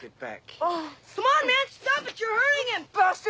ああ。